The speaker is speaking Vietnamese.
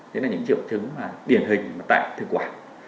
đấy là những triệu chứng mà điển hình tại thực quản